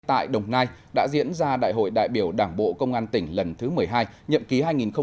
tại đồng nai đã diễn ra đại hội đại biểu đảng bộ công an tỉnh lần thứ một mươi hai nhậm ký hai nghìn hai mươi hai nghìn hai mươi năm